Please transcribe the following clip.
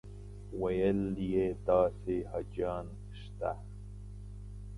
ویل یې داسې حاجیان شته.